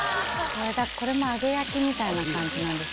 これも揚げ焼きみたいな感じなんです。